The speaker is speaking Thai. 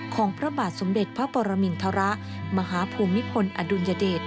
ของพระบาทสมเด็จพระปรมินทรมาหาภูมิพลอดุลยเดช